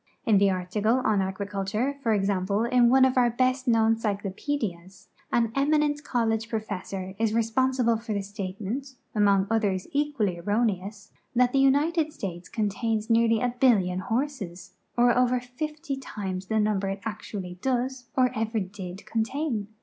In the article on agi'iculture, for example, in one of our best known cyclo])edias, an eminent college professor is re s])onsible for the statement, among others equally erroneous, that the United States contains nearly a billion horses, or'over fifty times the num ber it actually does or ever did contain.